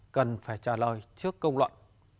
cần phải trả lời trước công luận